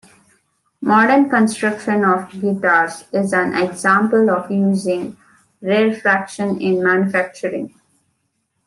Modern construction of guitars is an example of using rarefaction in manufacturing.